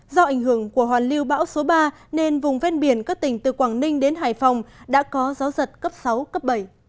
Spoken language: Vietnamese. do ảnh hưởng của hoàn lưu bão số ba nên vùng ven biển các tỉnh từ quảng ninh đến hải phòng đã có gió giật cấp sáu cấp bảy